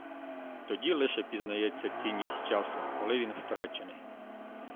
Тоді лише пізнається цінність часу, коли він втрачений.